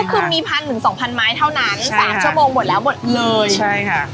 คือมีพันถึงสองพันไม้เท่านั้นสามชั่วโมงหมดแล้วหมดเลยใช่ค่ะ